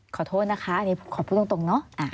ขอโทษนะคะอันนี้ขอพูดตรงเนาะ